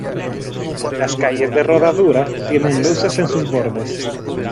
Las calles de rodadura tiene luces en sus bordes.